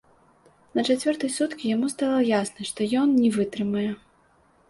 На чацвёртыя суткі яму стала ясна, што ён не вытрымае.